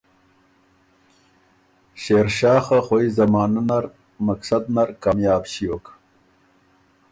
شېرشاه خه خوئ زمانه نر مقصد نر کامیاب ݭیوک